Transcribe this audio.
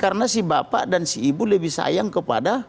karena si bapak dan si ibu lebih sayang kepada